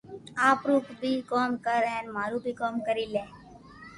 آپرو ڪوم ڪر ھين مارو بي ڪوم ڪرو لي